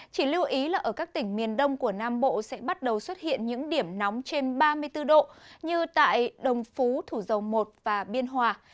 chỉ lưu ý là ở các tỉnh miền đông của nam bộ sẽ bắt đầu xuất hiện những điểm nóng trên ba mươi bốn độ như tại đồng phú thủ dầu một và biên hòa